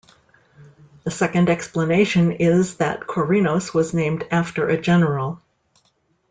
The second explanation is that Korinos was named after a General.